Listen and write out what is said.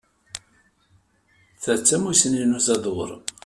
Ta d tamussni n uzadur.